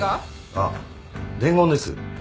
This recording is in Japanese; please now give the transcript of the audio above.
あっ伝言です